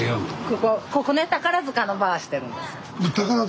ここここね宝塚のバーしてるんです。